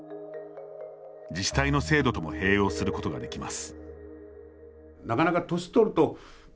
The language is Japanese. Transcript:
自治体の制度とも併用することができます。